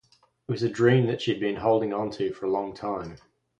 It was a dream that she had been holding onto for a long time.